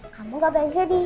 kamu nggak boleh jadi